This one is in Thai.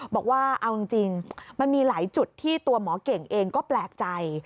บอกว่าเอาจริงมันมีหลายจุดที่ตัวหมอเก่งเองก็แปลกใจ